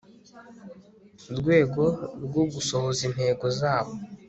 rwego rwo gusohoza intego zawo